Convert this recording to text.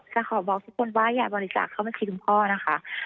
ขอบอกทุกคนว่าอย่าบริจาคเข้าบัญชีคุณพ่อนะคะ